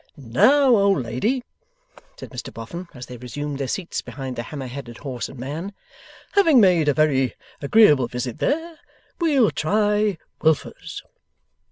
'Now, old lady,' said Mr Boffin, as they resumed their seats behind the hammer headed horse and man: 'having made a very agreeable visit there, we'll try Wilfer's.